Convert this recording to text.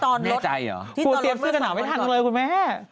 กลัวเตรียมเสื้อกระหน่าวไม่ทันเลยคุณแม่